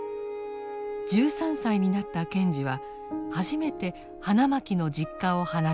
１３歳になった賢治は初めて花巻の実家を離れました。